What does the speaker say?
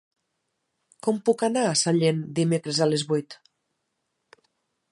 Com puc anar a Sallent dimecres a les vuit?